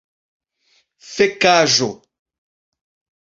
fekaĵo